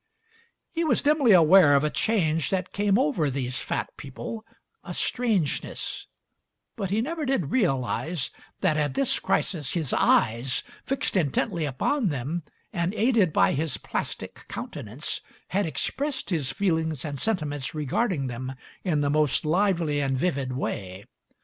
He was dimly aware of a change that came over these fat people, a strangeness; but he never did realize that at this crisis his eyes, fixed intently upon them and aided by his plastic countenance, had expressed his feelings and sentiments regarding them in the most lively and vivid way.